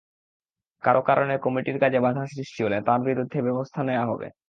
কারো কারণে কমিটির কাজে বাধা সৃষ্টি হলে তাঁর বিরুদ্ধে ব্যবস্থা নেওয়া হবে।